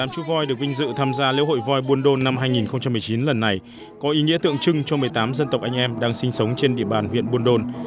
một mươi chú voi được vinh dự tham gia lễ hội voi buôn đôn năm hai nghìn một mươi chín lần này có ý nghĩa tượng trưng cho một mươi tám dân tộc anh em đang sinh sống trên địa bàn huyện buôn đôn